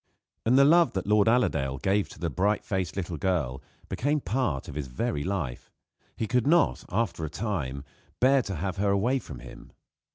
And the love that Lord Allerdale gave to the bright faced little girl became part of his very life. He could not, after a time, bear to have her away from him.